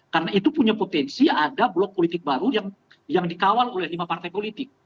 karena itu punya potensi ada blok politik baru yang dikawal oleh lima partai politik